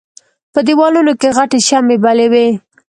په دېوالونو کې غټې شمعې بلې وې.